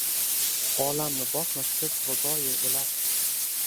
Olamni bosmish ko’p vaboyu o’lat